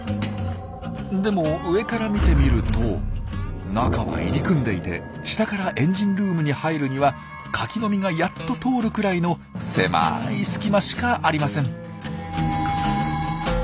でも上から見てみると中は入り組んでいて下からエンジンルームに入るにはカキの実がやっと通るくらいの狭い隙間しかありません。